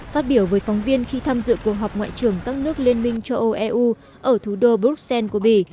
phát biểu với phóng viên khi tham dự cuộc họp ngoại trưởng các nước liên minh cho eu ở thủ đô bruxelles của mỹ